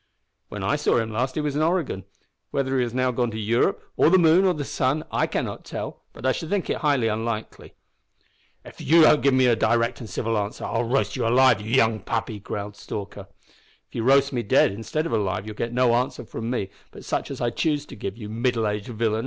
"When I last saw him he was in Oregon. Whether he has now gone to Europe or the moon or the sun I cannot tell, but I should think it unlikely." "If you don't give me a direct and civil answer I'll roast you alive, you young puppy!" growled Stalker. "If you roast me dead instead of alive you'll get no answer from me but such as I choose to give, you middle aged villain!"